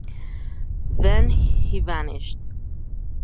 Then he vanished.